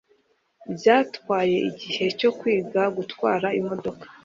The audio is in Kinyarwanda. Byantwaye igihe cyo kwiga gutwara imodoka.